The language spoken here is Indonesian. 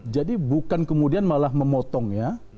jadi bukan kemudian malah memotongnya